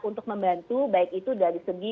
untuk membantu baik itu dari segi